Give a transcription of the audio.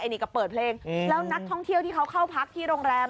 แล้วนักท่องเที่ยวที่กัดเข้าพักที่โรงแรม